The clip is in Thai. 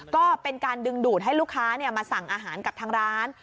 ก็เป็นการดึงดูดให้ลูกค้ามาสั่งอาหารกับทางร้าน